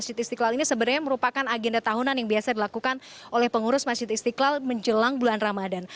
masjid istiqlal ini sebenarnya merupakan agenda tahunan yang biasa dilakukan oleh pengurus masjid istiqlal menjelang bulan ramadan